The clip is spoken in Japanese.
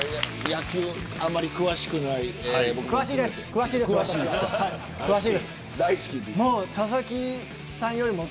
野球あまり詳しくない僕も。